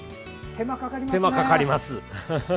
手間かかりますね。